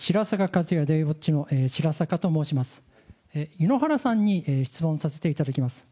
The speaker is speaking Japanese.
井ノ原さんに質問させていただきます。